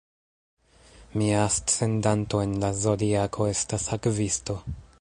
Mia ascendanto en la zodiako estas Akvisto.